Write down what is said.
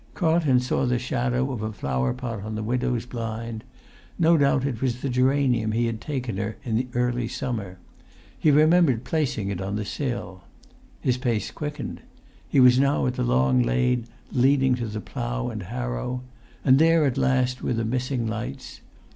Carlton saw the shadow of a flower pot on the widow's blind; no doubt it was the geranium he had taken her in early summer; he remembered placing it on the sill. His pace quickened. He was now at the long lane leading to the Plough and Harrow; and there at last were the missing lights.